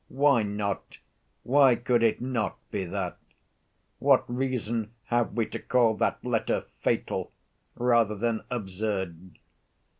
Why not, why could it not be that? What reason have we to call that letter 'fatal' rather than absurd?